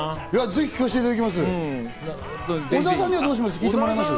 ぜひ聴かせていただきます。